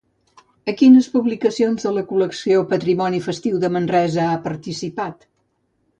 A quines publicacions de la col·lecció Patrimoni Festiu de Manresa ha participat?